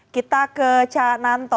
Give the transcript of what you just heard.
kita ke canan